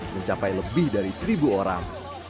mencapai lebih dari seribu orang